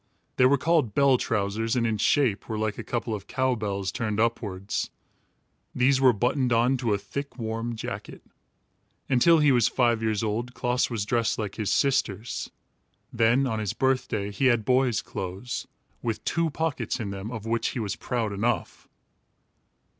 They were called bell trousers, and in shape were like a couple of cow bells turned upwards. These were buttoned on to a thick warm jacket. Until he was five years old, Klaas was dressed like his sisters. Then, on his birthday, he had boy's clothes, with two pockets in them, of which he was proud enough.